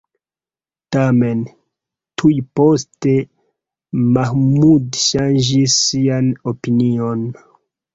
Tamen, tuj poste Mahmud ŝanĝis sian opinion.